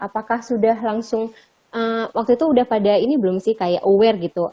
apakah sudah langsung waktu itu udah pada ini belum sih kayak aware gitu